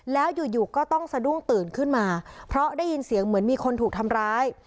แล้วอยู่อยู่ก็ต้องสะดุ้งตื่นขึ้นมาเพราะได้ยินเสียงเหมือนมีคนถูกทำร้าย